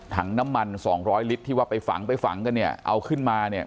ถังน้ำมัน๒๐๐ลิตรที่ว่าไปฝังก็เนี่ยเอาขึ้นมาเนี่ย